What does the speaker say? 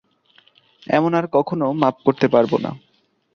এ আমি কখনো মাপ করতে পারব না।